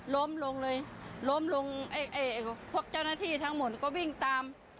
ล้มลงเลยล้มลงไอ้พวกเจ้าหน้าที่ทั้งหมดก็วิ่งตาม